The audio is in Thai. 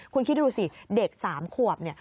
คุณคิดดูสิเด็ก๓ขวบเนี่ย